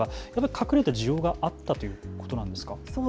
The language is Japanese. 隠れた需要があったということですか。